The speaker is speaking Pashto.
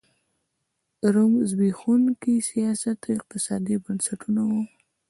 د روم زبېښونکي سیاسي او اقتصادي بنسټونه وو